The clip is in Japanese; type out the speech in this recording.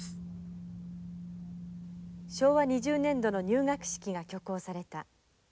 「昭和２０年度の入学式が挙行された。